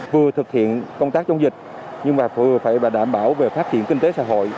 vừa thực hiện công tác chống dịch nhưng vừa phải đảm bảo về phát triển kinh tế xã hội